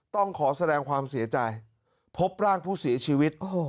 ต้องขอแสดงความเสียใจพบร่างผู้เสียชีวิต